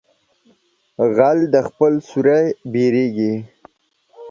غل د خپله سوري بيرېږي.